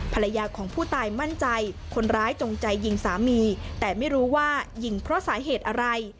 ภรรยาของผู้ตายมั่นใจคนร้ายจงใจยิงสามีแต่ไม่รู้ว่ายิงเพราะสาเหตุอะไร